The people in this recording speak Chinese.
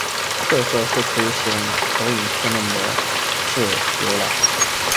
特色是可以使用投影片的模式浏览。